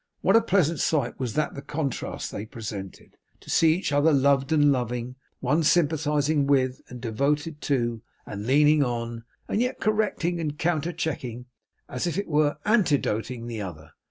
What a pleasant sight was that the contrast they presented; to see each loved and loving one sympathizing with, and devoted to, and leaning on, and yet correcting and counter checking, and, as it were, antidoting, the other!